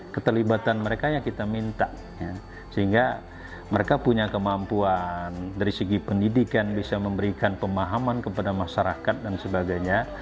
keterlibatan mereka yang kita minta sehingga mereka punya kemampuan dari segi pendidikan bisa memberikan pemahaman kepada masyarakat dan sebagainya